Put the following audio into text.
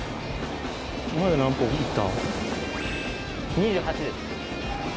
２８です。